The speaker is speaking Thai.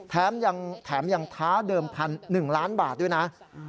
แถมยังท้าเดิมพัน๑ล้านบาทด้วยนะ